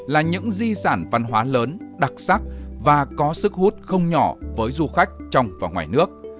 là những di sản văn hóa lớn đặc sắc và có sức hút không nhỏ với du khách trong và ngoài nước